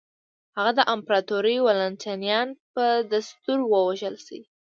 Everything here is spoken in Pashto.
هغه د امپراتور والنټینیان په دستور ووژل شي.